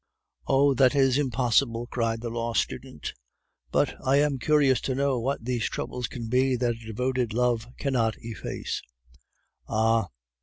"Oh! that is impossible," cried the law student; "but I am curious to know what these troubles can be that a devoted love cannot efface." "Ah!